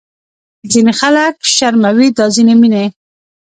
ځینې خلک شرموي دا ځینې مینې